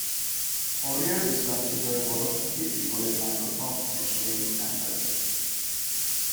O'Rear is considered one of the key people in Microsoft's history and success.